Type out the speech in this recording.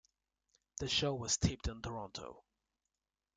The show was taped in Toronto.